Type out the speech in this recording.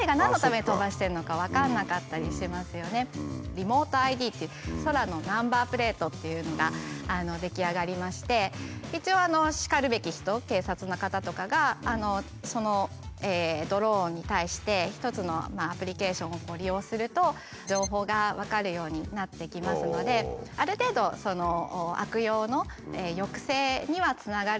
「リモートＩＤ」っていう空のナンバープレートというのが出来上がりまして一応しかるべき人警察の方とかがそのドローンに対して１つのアプリケーションを利用すると情報が分かるようになってきますのである程度悪用の抑制にはつながるかと思います。